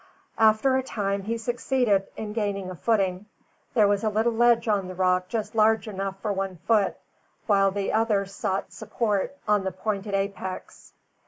After a time, he succeeded in gaining a footing. There was a little ledge on the rock just large enough for one foot, while the other sought support on the pointed apex.